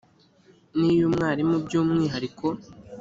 n iy umwarimu by umwihariko